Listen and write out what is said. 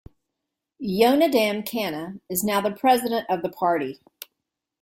Yonadam Kanna is now the president of the party.